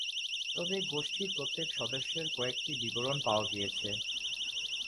তবে এই গোষ্ঠীর প্রত্যেক সদস্যের কয়েকটি বিবরণ পাওয়া গিয়েছে।